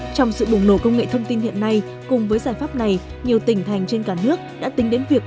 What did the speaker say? trong sự bùng nổ công nghệ thông tin hiện nay cùng với giải pháp này nhiều tỉnh thành trên cả nước đã tính đến việc